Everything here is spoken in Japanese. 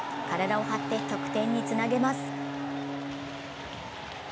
体を張って得点につなげます。